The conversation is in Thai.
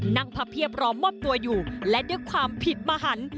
นั่งพระเพียพร้อมมอบตัวอยู่และด้วยความผิดมหัน